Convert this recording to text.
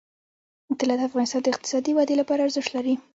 طلا د افغانستان د اقتصادي ودې لپاره ارزښت لري.